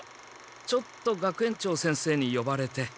ちょっと学園長先生によばれて。